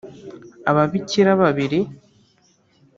ababikira babiri